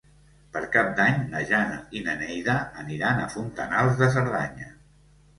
Per Cap d'Any na Jana i na Neida aniran a Fontanals de Cerdanya.